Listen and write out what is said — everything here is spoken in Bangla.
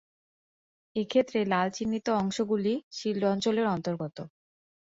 এক্ষেত্রে লাল চিহ্নিত অংশ গুলি শিল্ড অঞ্চলের অন্তর্গত।